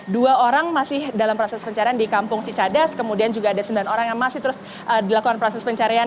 dua orang masih dalam proses pencarian di kampung cicadas kemudian juga ada sembilan orang yang masih terus dilakukan proses pencarian